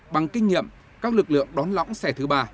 bằng kinh nghiệm các lực lượng đón lõng xe thứ ba